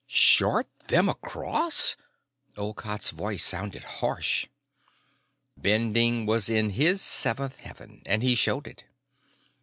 "Short them across?" Olcott's voice sounded harsh. Bending was in his seventh heaven, and he showed it.